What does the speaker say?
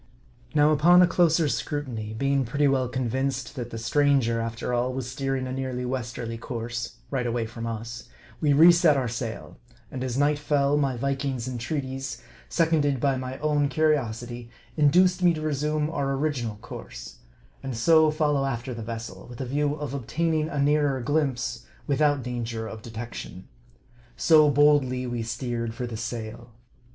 Now, upon a closer scrutiny, being pretty well convinced that the stranger, after all, was steering a nearly westerly course right away from us we reset our sail ; and as night fell, my Viking's entreaties, seconded by my own curi osity, induced me to resume our original course ; and so fol low after the vessel, with a view of obtaining a nearer glimpse, without danger of detection. So, boldly we steer ed for the sail.